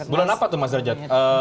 bulan apa tuh mas derajat